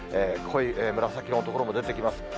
濃い紫色の所も出てきます。